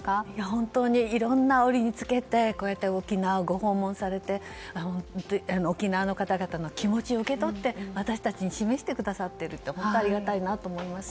本当にいろんな折につけてこうやって沖縄をご訪問されて沖縄の方々の気持ちを受け取って私たちに示してくださっているって本当ありがたいなと思います。